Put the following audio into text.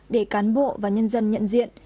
để cán bộ và nhân dân nhận diện